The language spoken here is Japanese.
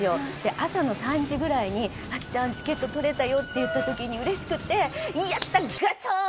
朝の３時ぐらいに「アキちゃんチケット取れたよ」って言った時に嬉しくて「やった！ガチョーン」